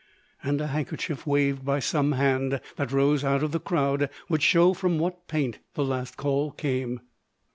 and a handkerchief waved by some hand that rose out of the crowd would show from what paint the last call came.